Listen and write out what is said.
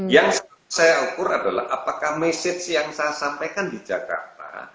yang saya ukur adalah apakah message yang saya sampaikan di jakarta